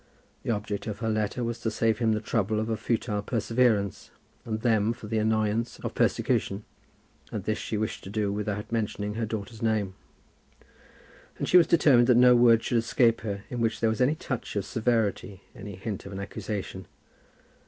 The object of her letter was to save him the trouble of a futile perseverance, and them from the annoyance of persecution; and this she wished to do without mentioning her daughter's name. And she was determined that no word should escape her in which there was any touch of severity, any hint of an accusation.